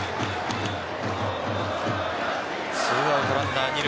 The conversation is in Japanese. ２アウトランナー二塁。